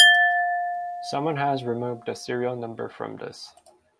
Someone has removed the serial number from this.